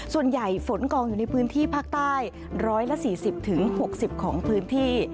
ฝนกองอยู่ในพื้นที่ภาคใต้๑๔๐๖๐ของพื้นที่